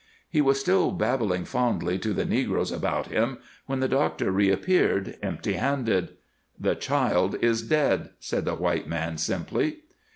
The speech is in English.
He was still babbling fondly to the negroes about him when the doctor reappeared, empty handed. "The child is dead," said the white man, simply.